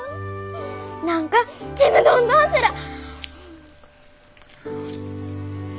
何かちむどんどんする！